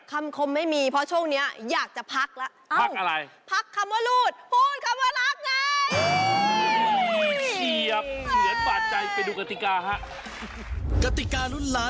คมไม่มีเพราะช่วงนี้อยากจะพักแล้ว